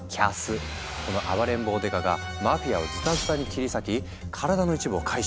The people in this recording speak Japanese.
この暴れん坊刑事がマフィアをズタズタに切り裂き体の一部を回収。